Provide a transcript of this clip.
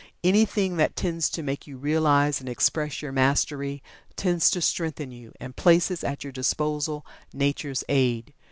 Anything that tends to make you realize and express your Mastery, tends to strengthen you, and places at your disposal Nature's aid.